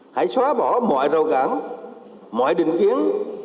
hãy xóa bỏ mọi râu cảng mọi định kiến